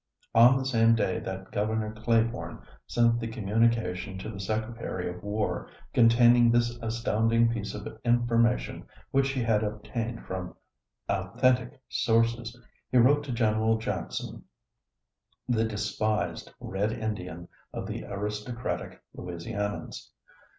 On the same day that Gov. Claiborne sent the communication to the Secretary of War containing this astounding piece of information which he had obtained from authentic sources, he wrote to General Jackson, the despised "red Indian" of the aristocratic Louisianians.